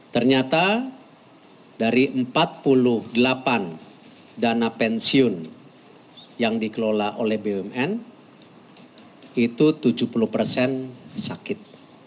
ternyata dari empat puluh delapan dana pensiun yang dikelola oleh bumn itu tujuh puluh persen sakit